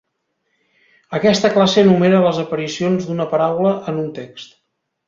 Aquesta classe enumera les aparicions d'una paraula en un text.